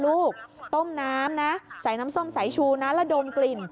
ลูกต้มน้ำนะใส่น้ำส้มสายชูนะแล้วดมกลิ่น